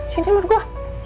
sini men gua